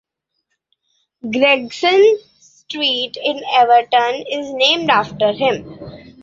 Gregson Street in Everton is named after him.